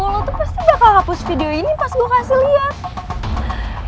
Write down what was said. lo tuh pasti bakal hapus video ini pas gue kasih lihat